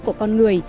của con người